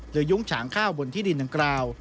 โดยยุ้งฉางข้าวบนที่ดินดังกล่าว